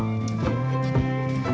untuk tiga belas april